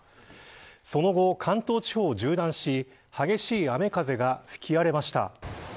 その後、関東地方を縦断し激しい雨風が吹き荒れました。